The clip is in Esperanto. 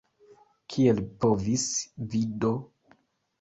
Kiel povis vi do?